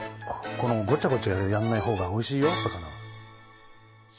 ごちゃごちゃやんないほうがおいしいよ魚は。